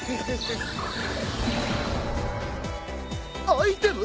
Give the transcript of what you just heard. アイテム！？